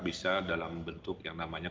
bisa dalam bentuk yang namanya